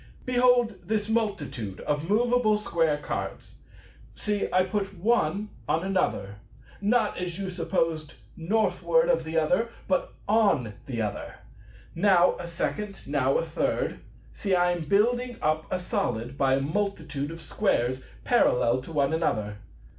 Behold this multitude of moveable square cards. See, I put one on another, not, as you supposed, Northward of the other, but on the other. Now a second, now a third. See, I am building up a Solid by a multitude of Squares parallel to one another.